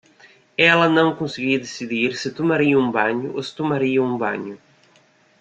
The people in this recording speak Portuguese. Ela não conseguia decidir se tomaria um banho ou se tomaria um banho.